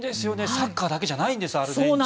サッカーだけじゃないんですアルゼンチンは。